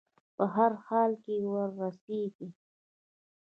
په هر حال کې وررسېږي.